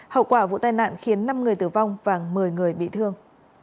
hậu quả vụ tai nạn khiến năm người tử vong và một mươi người bị thương